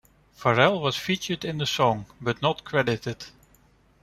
Pharrell was featured in the song, but not credited.